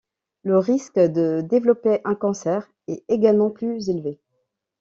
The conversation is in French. Le risque de développer un cancer est également plus élevé.